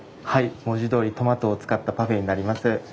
はい文字どおりトマトを使ったパフェになります。